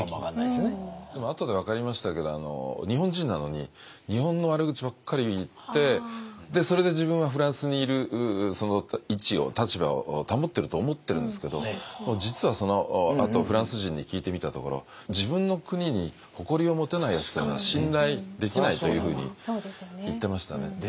でもあとで分かりましたけど日本人なのに日本の悪口ばっかり言ってでそれで自分はフランスにいる位置を立場を保ってると思ってるんですけど実はそのあとフランス人に聞いてみたところ自分の国に誇りを持てないやつというのは信頼できないというふうに言ってましたね。